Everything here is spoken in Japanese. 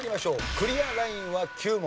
クリアラインは９問。